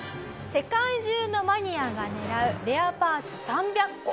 世界中のマニアが狙うレアパーツ３００個。